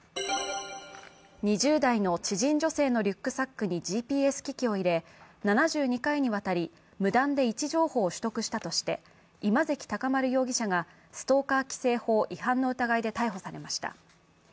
２０代の知人女性のリュックサックにＧＰＳ機器を入れ７２回にわたり無断で位置情報を取得したとして、今関尊丸容疑者がストーカー規制法違反の疑いで逮捕されました。